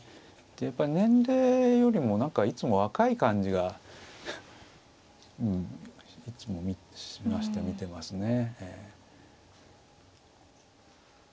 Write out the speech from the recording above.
やっぱり年齢よりもいつも若い感じがうんいつもしまして見てますね。